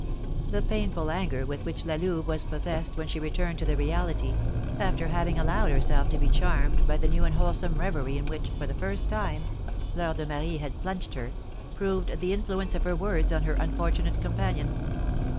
The painful anger with which La Louve was possessed when she returned to the reality, after having allowed herself to be charmed by the new and wholesome reverie in which, for the first time, Fleur de Marie had plunged her, proved the influence of her words on her unfortunate companion.